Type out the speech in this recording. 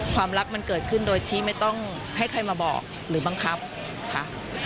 ความรักมันเกิดขึ้นโดยที่ไม่ต้องให้ใครมาบอกหรือบังคับค่ะ